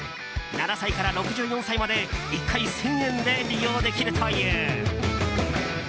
７歳から６４歳まで１回１０００円で利用できるという。